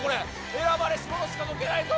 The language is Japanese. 選ばれし者しか抜けないぞ。